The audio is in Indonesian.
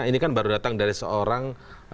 ini kan baru datang dari seorang